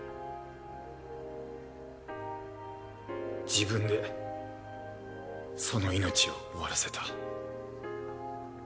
自分でその命を終わらせた。